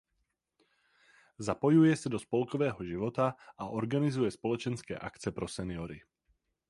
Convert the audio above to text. Zapojuje se do spolkového života a organizuje společenské akce pro seniory.